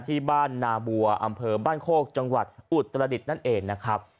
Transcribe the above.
ที่บ้านนาบัวอำเภอบ้านโคกจังหวัดอุตรดิษฐ์นั่นเองนะครับ